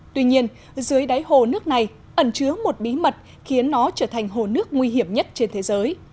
tuy nhiên dưới đáy hồ nước này ẩn chứa một bí mật khiến nó trở thành hồ nước nguy hiểm nhất trên thế giới